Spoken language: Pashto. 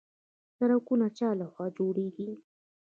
سړکونه چا لخوا جوړیږي؟